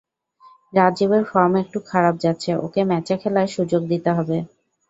রাজীবের form একটু খারাপ যাচ্ছে, ওকে ম্যাচে খেলার সুযোগ দিতে হবে।